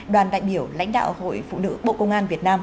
đoàn đại biểu lãnh đạo hội phụ nữ bộ công an việt nam